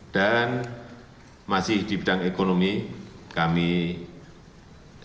dan masih di bidang ekonomi kami berharap